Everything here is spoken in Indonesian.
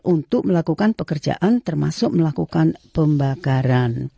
untuk melakukan pekerjaan termasuk melakukan pembakaran